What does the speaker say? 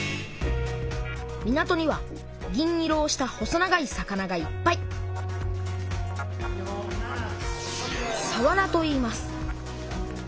港には銀色をした細長い魚がいっぱいさわらといいます。